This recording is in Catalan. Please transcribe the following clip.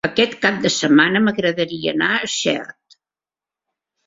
Aquest cap de setmana m'agradaria anar a Xert.